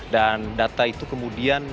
dan data itu kemudian